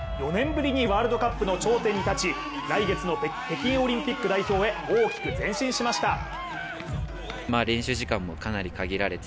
４年ぶりにワールドカップの頂点に立ち来月の北京オリンピック代表へ大きく前進しました。